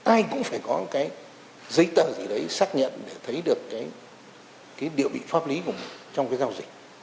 ai cũng phải có cái giấy tờ gì đấy xác nhận để thấy được cái địa vị pháp lý trong cái giao dịch